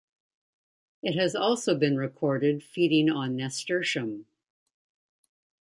It has also been recorded feeding on nasturtium.